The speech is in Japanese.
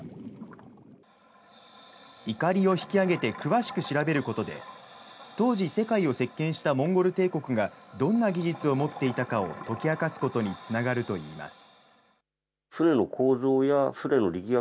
いかりを引き揚げて詳しく調べることで、当時、世界を席けんしたモンゴル帝国がどんな技術を持っていたかを解き明かすことにつながるといいます。